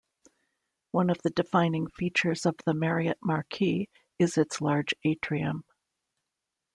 One of the defining features of the Marriott Marquis is its large atrium.